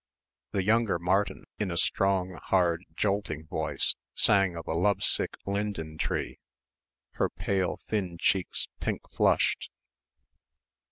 The younger Martin in a strong hard jolting voice sang of a love sick Linden tree, her pale thin cheeks pink flushed.